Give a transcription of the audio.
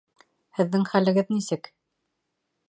Һеҙҙең хәлегеҙ нисек?